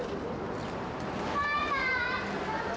バイバイ！